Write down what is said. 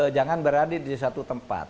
jangan berada di satu tempat